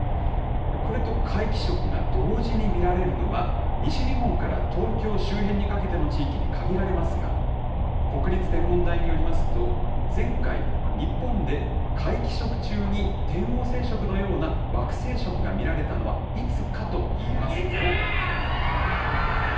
これと皆既食が同時に見られるのは、西日本から東京周辺にかけての地域に限られますが、国立天文台によりますと、前回、日本で皆既食中に、天王星食のような惑星食が見られたのは、いつかといいますと。